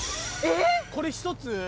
これ一つ？